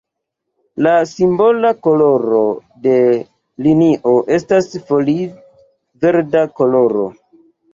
La simbola koloro de linio estas foli-verda koloro.